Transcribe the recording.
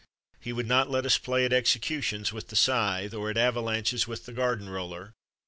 ; he would not let us play at execu tions with the scythe, or at avalanches with the garden roller.